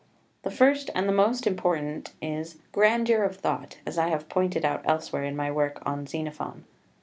The first and the most important is (1) grandeur of thought, as I have pointed out elsewhere in my work on Xenophon.